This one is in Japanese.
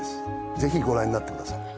ぜひご覧になってください